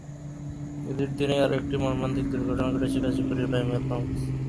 ঈদের দিনেই আরও একটি মর্মান্তিক দুর্ঘটনা ঘটেছে গাজীপুরের বাইমাইল নামক স্থানে।